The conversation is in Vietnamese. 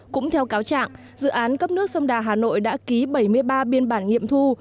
cũng theo cáo trạng dự án cấp nước sông đà hà nội đã ký bảy mươi ba biên bản nghiệm thu